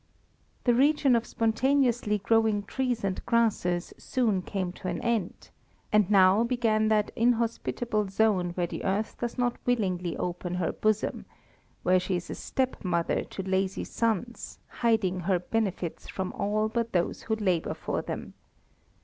The region of spontaneously growing trees and grasses soon came to an end, and now began that inhospitable zone where the earth does not willingly open her bosom, where she is a step mother to lazy sons, hiding her benefits from all but those who labour for them.